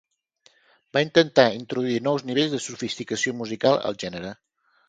Va intentar introduir nous nivells de sofisticació musical al gènere.